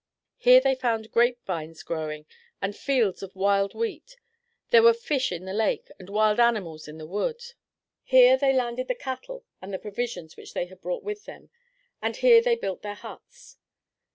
Here they found grape vines growing and fields of wild wheat; there were fish in the lake and wild animals in the woods. Here they landed the cattle and the provisions which they had brought with them; and here they built their huts.